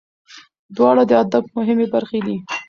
دواړه د ادب مهمې برخې دي.